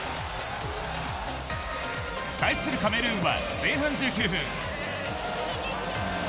対するカメルーンは前半１９分。